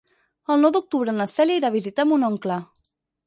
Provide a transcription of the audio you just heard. El nou d'octubre na Cèlia irà a visitar mon oncle.